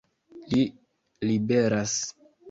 Li liberas!